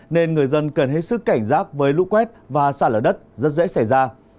nên người dân cần hết sức cảnh giác với lũ quét và xa lở đất rất dễ xảy ra